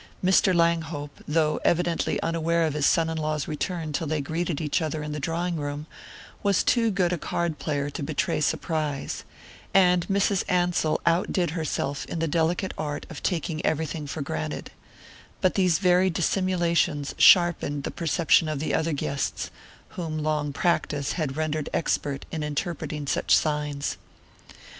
Mr. Langhope, though evidently unaware of his son in law's return till they greeted each other in the drawing room, was too good a card player to betray surprise, and Mrs. Ansell outdid herself in the delicate art of taking everything for granted; but these very dissimulations sharpened the perception of the other guests, whom long practice had rendered expert in interpreting such signs.